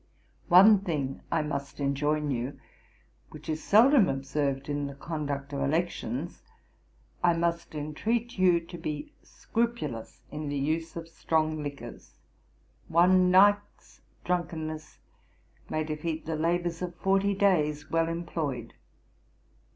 One thing I must enjoin you, which is seldom observed in the conduct of elections; I must entreat you to be scrupulous in the use of strong liquors. One night's drunkenness may defeat the labours of forty days well employed.